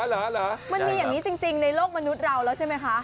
เหรอมันมีอย่างนี้จริงในโลกมนุษย์เราแล้วใช่ไหมคะ